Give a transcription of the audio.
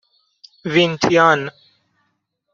وین تیان